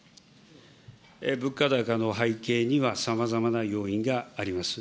物価高の背景には、さまざまな要因があります。